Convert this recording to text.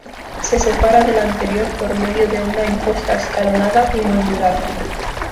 Se separa de la anterior por medio de una imposta escalonada y moldurada.